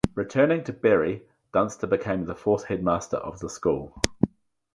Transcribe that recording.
Returning to Bury, Dunster became the fourth headmaster of the school.